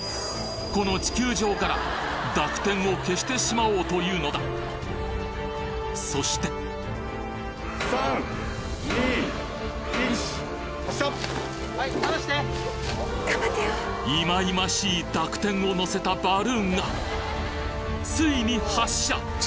この地球上から濁点を消してしまおうというのだそして忌々しい濁点をのせたバルーンがついに発射！